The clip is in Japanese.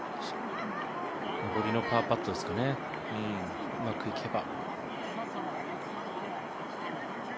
上りのパーパットですかねうまくいけば。